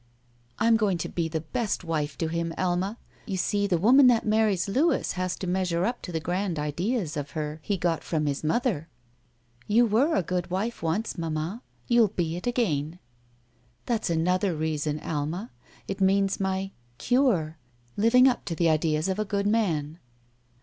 "J'm going to be the best wife to him. Alma. You. see, the woman that marries Louis has to measure up to the grand ideas of her he got from his mother." "You were a good wife once, mamma. You'll be it again." "That's another reason. Alma; it means my — cure. Living up to the ideas of a good man."